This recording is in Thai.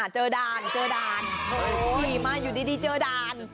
เจอด่านดีมากอยู่ดีเจอด่าน